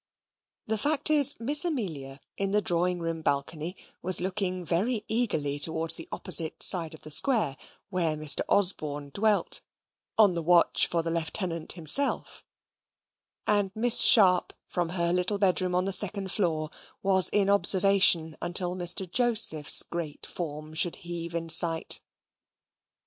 The fact is, Miss Amelia, in the drawing room balcony, was looking very eagerly towards the opposite side of the Square, where Mr. Osborne dwelt, on the watch for the lieutenant himself; and Miss Sharp, from her little bed room on the second floor, was in observation until Mr. Joseph's great form should heave in sight.